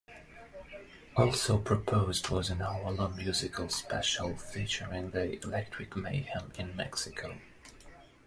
Also proposed was "an hour-long musical special featuring The Electric Mayhem in Mexico".